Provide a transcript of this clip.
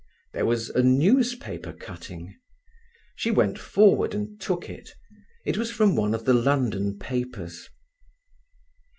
There was a newspaper cutting. She went forward and took it. It was from one of the London papers.